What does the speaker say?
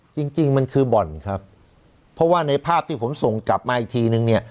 จริงจริงมันคือบ่อนครับเพราะว่าในภาพที่ผมส่งกลับมาอีกทีนึงเนี่ย